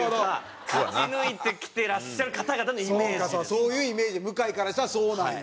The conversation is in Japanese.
そういうイメージ向井からしたらそうなんよ。